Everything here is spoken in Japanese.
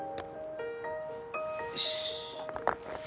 よし。